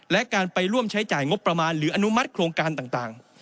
และการไปร่วมใช้จ่ายงบประมาณหรืออนุมัติโครงการต่าง